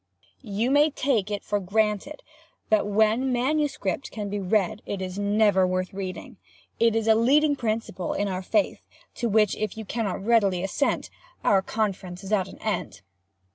You may take, it for granted, that when manuscript can be read it is never worth reading. This is a leading principle in our faith, to which if you cannot readily assent, our conference is at an end."